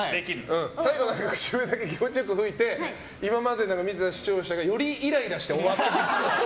最後、口笛だけ気持ちよく吹いて今までの見てた視聴者がよりイライラして終わる。